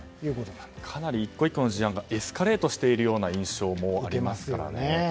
かなり１個１個の事案がエスカレートしている印象も受けますからね。